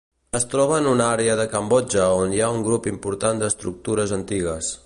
Es troba en una àrea de Cambodja on hi ha un grup important d'estructures antigues.